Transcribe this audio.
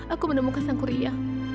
aku menemukan sangku ria